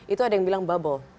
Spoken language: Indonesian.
itu ada yang bilang bubble